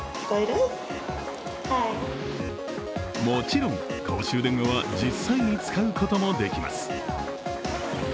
もちろん公衆電話は実際に使うこともできます。